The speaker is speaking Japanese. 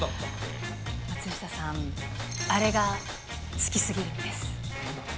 松下さん、あれが好き過ぎるんです。